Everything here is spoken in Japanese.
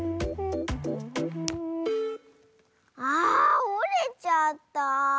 あおれちゃった。